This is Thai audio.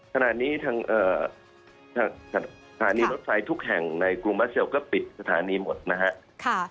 ขณะนี้ทางสถานีรถไฟทุกแห่งในกรุงบัสเซลก็ปิดสถานีหมดนะครับ